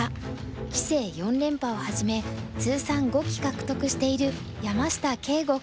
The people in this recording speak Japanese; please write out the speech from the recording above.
棋聖四連覇をはじめ通算５期獲得している山下敬吾九段。